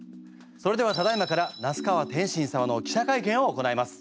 それではただいまから那須川天心様の記者会見を行います。